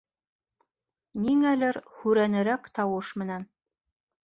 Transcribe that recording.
Ниңәлер һүрәнерәк тауыш менән: